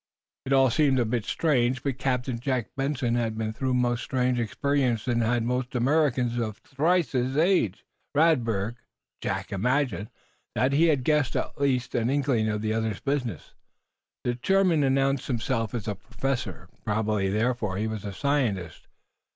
It all seemed a bit strange, but Captain Jack Benson had been through more strange experiences than had most Americans of twice or thrice his age. Besides, as he walked beside Herr Professor Radberg Jack imagined that he had guessed at least an inkling of the other's business. The German had announced himself as a professor; probably, therefore, he was a scientist.